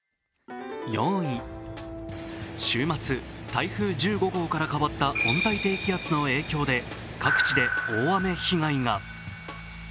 ４位、週末、台風１５号から変わった温帯低気圧の影響で各地で大雨被害が。